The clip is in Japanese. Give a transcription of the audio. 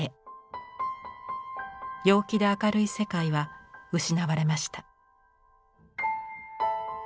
陽気で明るい世界は失われました。